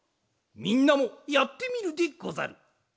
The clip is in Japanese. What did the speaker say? みんなもやってみるでござる。